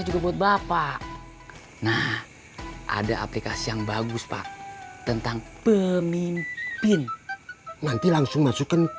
juga buat bapak nah ada aplikasi yang bagus pak tentang pemimpin nanti langsung masukin